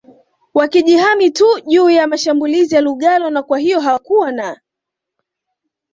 wakijihami tu juu ya mashambulizi ya lugalo na kwahiyo hawakuwa na